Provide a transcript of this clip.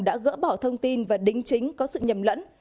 đã gỡ bỏ thông tin và đính chính có sự nhầm lẫn